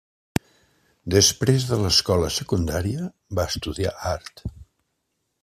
Després de l'escola secundària va estudiar art.